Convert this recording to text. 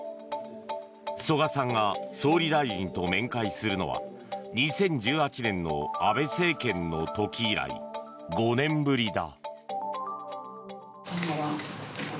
曽我さんが総理大臣と面会するのは２０１８年の安倍政権の時以来５年ぶりだ。